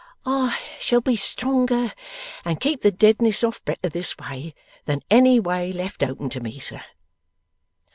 'I shall be stronger, and keep the deadness off better, this way, than any way left open to me, sir.